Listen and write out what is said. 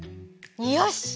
よし！